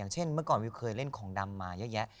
เช่นเมื่อก่อนวิวเคยเล่นของดำมาเยอะแยะ